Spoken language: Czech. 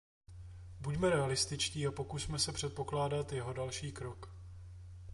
Buďme realističtí a pokusme se předpokládat jeho další krok.